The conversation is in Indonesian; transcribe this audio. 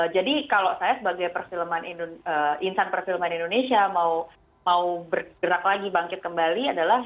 kalau saya sebagai insan perfilman indonesia mau bergerak lagi bangkit kembali adalah